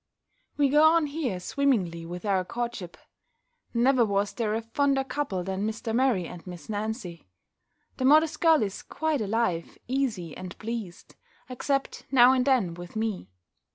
We go on here swimmingly with our courtship. Never was there a fonder couple than Mr. Murray and Miss Nancy. The modest girl is quite alive, easy, and pleased, except now and then with me.